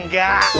ngerti pak ustadz